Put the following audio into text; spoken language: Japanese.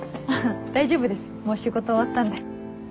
大丈夫ですもう仕事終わったんで。